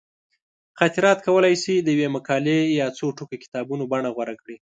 خاطرات کولی شي د یوې مقالې یا څو ټوکه کتابونو بڼه غوره کړي.